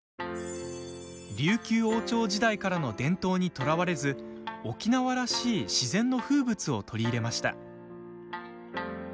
琉球王朝時代からの伝統にとらわれず沖縄らしい自然の風物を取り入れました。